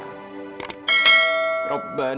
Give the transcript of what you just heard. ya allah kami pengaruhi